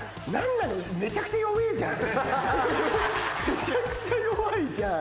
めちゃくちゃ弱いじゃん。